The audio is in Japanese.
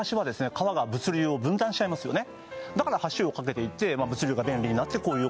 川が物流を分断しちゃいますよね